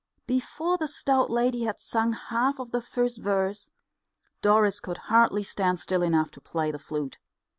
Before the stout lady had sung half the first verse, Doris could hardly stand still enough to play the flute.